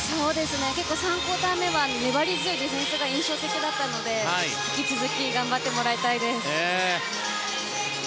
結構３クオーター目は粘り強いディフェンスが印象的だったので引き続き頑張ってもらいたいです。